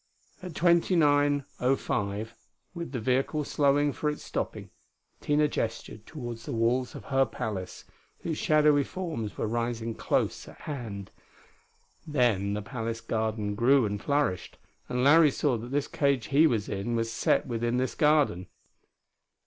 At 2905, with the vehicle slowing for its stopping, Tina gestured toward the walls of her palace, whose shadowy forms were rising close at hand. Then the palace garden grew and flourished, and Larry saw that this cage he was in was set within this garden.